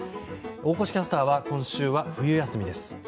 大越キャスターは今週は冬休みです。